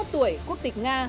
bốn mươi một tuổi quốc tịch nga